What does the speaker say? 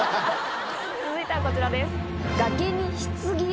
続いてはこちらです。